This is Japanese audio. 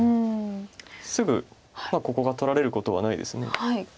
すぐここが取られることはないです。